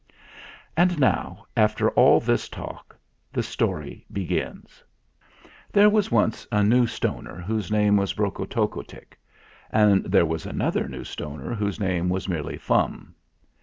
AND Now, after all this talk, the story begins. There was once a New Stoner whose name was Brokotockotick, and there was another New Stoner whose name was merely Fum.